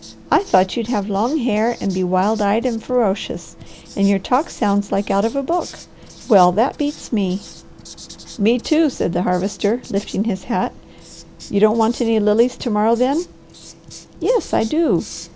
I thought you'd have long hair, and be wild eyed and ferocious. And your talk sounds like out of a book. Well that beats me!" "Me too!" said the Harvester, lifting his hat. "You don't want any lilies to morrow, then?" "Yes I do.